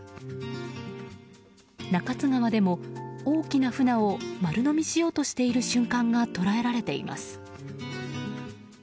中津川でも、大きなフナを丸のみしようとしている瞬間が捉えられています。